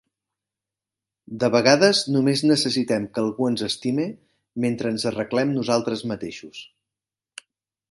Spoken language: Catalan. De vegades, només necessitem que algú ens estime, mentre ens arreglem nosaltres mateixos.